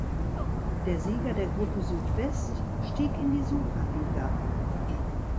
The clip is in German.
Der Sieger der Gruppe Südwest stieg in die Superliga auf.